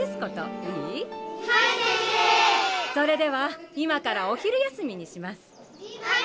それでは今からお昼休みにします。